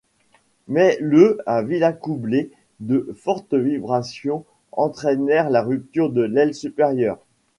Mais le à Villacoublay, de fortes vibrations entraînèrent la rupture de l'aile supérieure.